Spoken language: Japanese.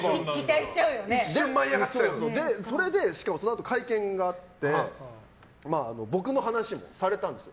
それで、そのあと会見があって僕の話をされたんです。